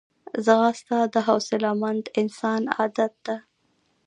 ځغاسته د حوصلهمند انسان عادت دی